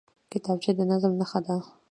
کتابچه د نظم نښه ده